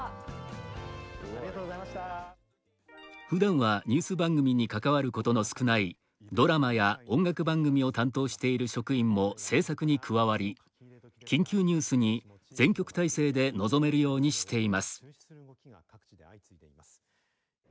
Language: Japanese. ふだんはニュース番組に関わることの少ないドラマや音楽番組を担当している職員も制作に加わり緊急ニュースに全局体制で臨めるようにしています。